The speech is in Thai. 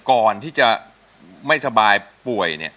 ก่อนที่จะไม่สบายป่วยเนี่ย